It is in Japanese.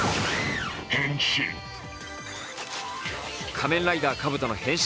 「仮面ライダーカブト」の変身